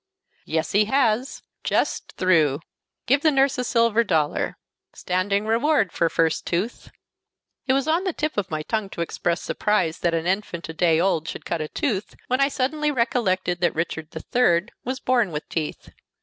"Yes, he has! Just through. Give the nurse a silver dollar. Standing reward for first tooth." It was on the tip of my tongue to express surprise that an infant a day old should cut a tooth, when I suddenly recollected that Richard III. was born with teeth.